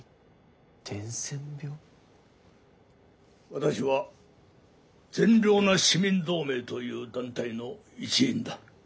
私は「善良な市民同盟」という団体の一員だ。